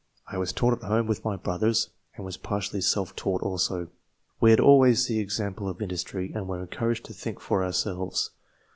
I was taught at home with my brothers, and was partially self taught also. We had always the example of industry, and were encouraged to think for ourselves.